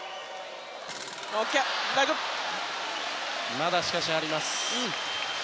まだしかしあります。